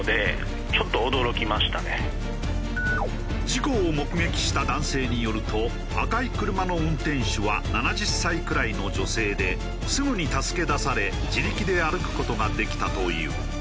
事故を目撃した男性によると赤い車の運転手は７０歳くらいの女性ですぐに助け出され自力で歩く事ができたという。